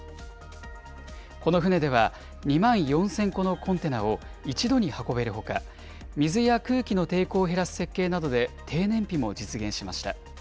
この船では、２万４０００個のコンテナを一度に運べるほか、水や空気の抵抗を減らす設計などで低燃費も実現しました。